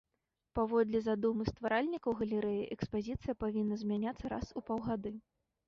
Паводле задумы стваральнікаў галерэі экспазіцыя павінна змяняцца раз у паўгады.